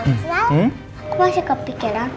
hai omsal aku masih kepikiran